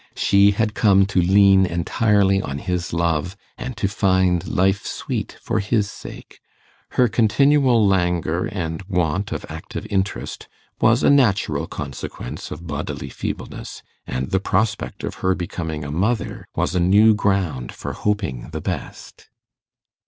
She had come to lean entirely on his love, and to find life sweet for his sake. Her continual languor and want of active interest was a natural consequence of bodily feebleness, and the prospect of her becoming a mother was a new ground for hoping the best.